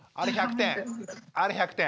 あれ１００点。